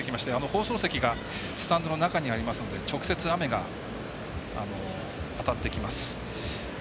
放送席がスタンドの中にありますので直接、雨が当たってきます。